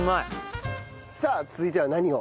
さあ続いては何を？